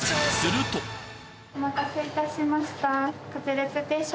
お待たせ致しました。